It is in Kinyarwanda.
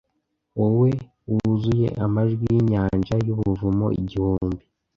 Wowe, wuzuye amajwi yinyanja yubuvumo igihumbi,